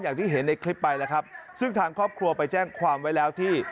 อย่างที่เห็นในคลิปไปแล้วครับซึ่งทางครอบครัวไปแจ้งความไว้แล้วที่